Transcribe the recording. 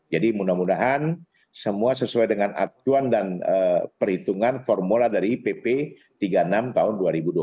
jadi mudah mudahan semua sesuai dengan acuan dan perhitungan formula dari pp tiga puluh enam tahun dua ribu dua puluh satu